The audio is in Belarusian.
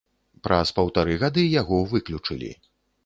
Праз паўтары гады яго выключылі.